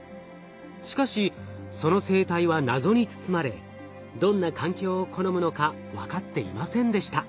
しかしその生態は謎に包まれどんな環境を好むのかわかっていませんでした。